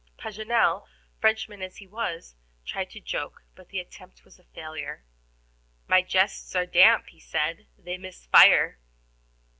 Paganel, Frenchman as he was, tried to joke, but the attempt was a failure. "My jests are damp," he said, "they miss fire."